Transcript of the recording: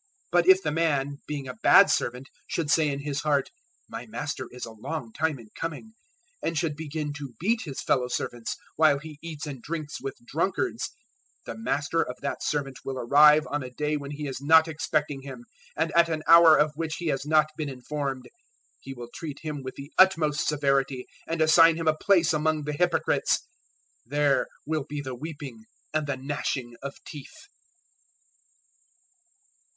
024:048 But if the man, being a bad servant, should say in his heart, `My master is a long time in coming,' 024:049 and should begin to beat his fellow servants, while he eats and drinks with drunkards; 024:050 the master of that servant will arrive on a day when he is not expecting him and at an hour of which he has not been informed; 024:051 he will treat him with the utmost severity and assign him a place among the hypocrites: there will be the weeping and the gnashing of teeth.